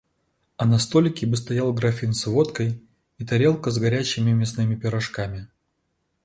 А на столике бы стоял графин с водкой и тарелка с горячими мясными пирожками.